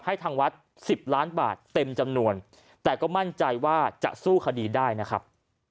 ทางวัด๑๐ล้านบาทเต็มจำนวนแต่ก็มั่นใจว่าจะสู้คดีได้นะครับ